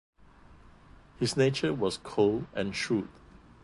His nature was cold and shrewd.